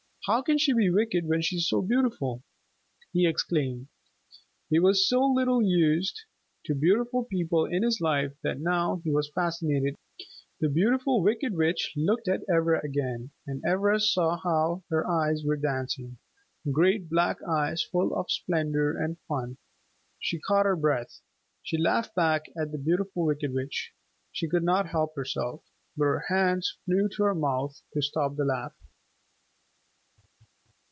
"How can she be wicked when she's so beautiful!" he exclaimed. He was so little used to beautiful people in his life that now he was fascinated and delighted. The Beautiful Wicked Witch looked at Ivra then, and Ivra saw how her eyes were dancing, great black eyes full of splendor and fun. She caught her breath. She laughed back at the Beautiful Wicked Witch. She could not help herself. But her hands flew to her mouth to stop the laugh.